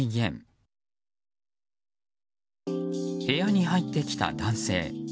部屋に入ってきた男性。